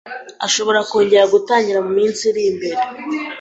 ashobora kongera gutangira mu minsi iri imbere.